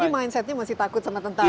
jadi mindsetnya masih takut sama tentara ya